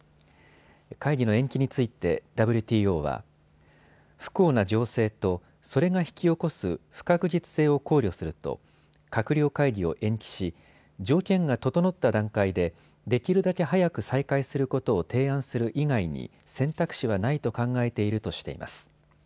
会議の延期についてＷＴＯは不幸な情勢と、それが引き起こす不確実性を考慮すると閣僚会議を延期し条件が整った段階でできるだけ早く再開することを提案する以外に選択肢はないと考えているとしています。